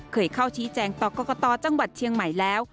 เคยเข้าชี้แจงต่อกรกตจังหวัดเชียงใหม่แล้ว